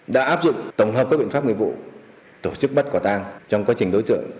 đã áp dụng tổng hợp các biện pháp nguyện vụ tổ chức bắt quả tang trong quá trình đối tượng